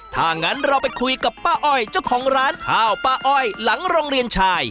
ถ้างั้นเราไปคุยกับป้าอ้อยเจ้าของร้านข้าวป้าอ้อยหลังโรงเรียนชาย